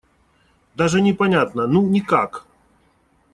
Даже не понятно: ну, никак.